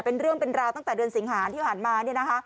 เป็นเรื่องเป็นราวตั้งแต่เดือนสิงหาที่ผ่านมา